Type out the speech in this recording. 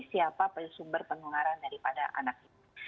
siapa sumber penularan daripada anak itu